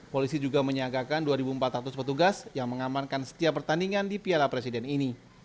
polisi juga menyiagakan dua empat ratus petugas yang mengamankan setiap pertandingan di piala presiden ini